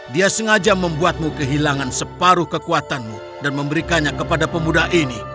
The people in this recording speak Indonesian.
dia sengaja membuatmu kehilangan separuh kekuatanmu dan memberikannya kepada pemuda ini